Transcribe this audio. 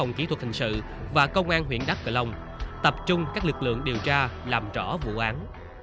trung tâm kỹ thuật hình sự và công an huyện đắk cửa lòng tập trung các lực lượng điều tra làm rõ vụ án